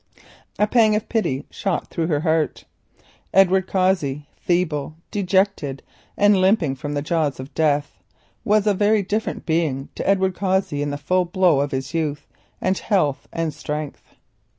A pang of pity shot through her heart. Edward Cossey, feeble, dejected, and limping from the jaws of Death, was a very different being to Edward Cossey in the full glow of his youth, health, and strength.